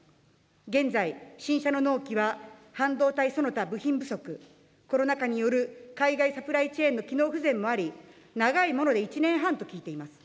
現在、新車の納期は半導体その他部品不足、コロナ禍による海外サプライチェーンの機能不全もあり、長いもので１年半と聞いています。